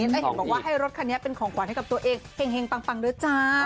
แล้วเห็นบอกว่าให้รถคันนี้เป็นของขวัญให้กับตัวเองเฮงปังด้วยจ้า